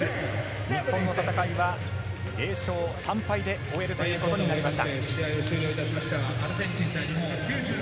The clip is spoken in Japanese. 日本の戦いは、０勝３敗で終えるということになりました。